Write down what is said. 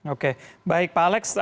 oke baik pak alex